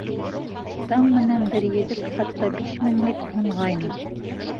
Таң менән бер егет хатта биш меңлек һонғайны.